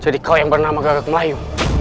jadi kau yang bernama gagak melayu